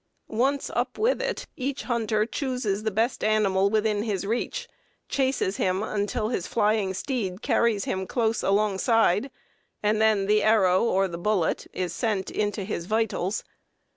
Once up with it, each hunter chooses the best animal within his reach, chases him until his flying steed carries him close alongside, and then the arrow or the bullet is sent into his vitals.